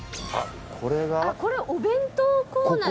これお弁当コーナー